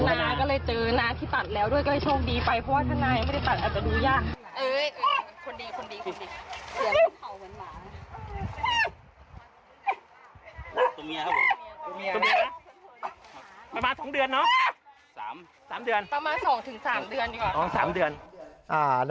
ด้วยการชงดีไปเพราะว่าถ้านายไม่ได้ตัดอาจจะดูยาก